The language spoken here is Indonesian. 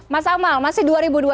mas amal masih